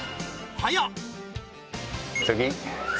早っ！